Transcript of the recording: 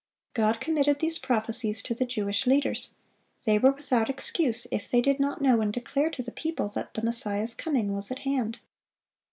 (511) God committed these prophecies to the Jewish leaders; they were without excuse if they did not know and declare to the people that the Messiah's coming was at hand.